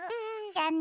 じゃあね。